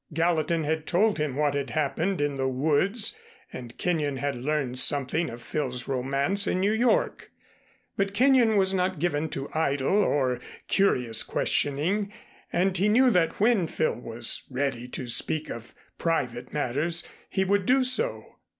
Gallatin had told him what had happened in the woods and Kenyon had learned something of Phil's romance in New York. But Kenyon was not given to idle or curious questioning, and he knew that when Phil was ready to speak of private matters he would do so.